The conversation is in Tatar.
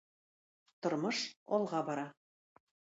Тормыш алга бара.